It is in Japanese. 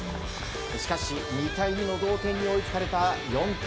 しかし、２対２の同点に追いつかれた４回。